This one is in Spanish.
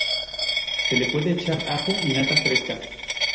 Se le puede echar ajo y nata fresca.